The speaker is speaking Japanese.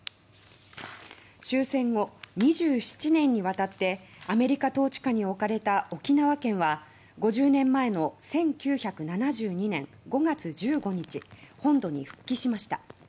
終戦後、２７年にわたってアメリカ統治下に置かれた沖縄県は５０年前の１９７２年５月１５日本土に復帰しました。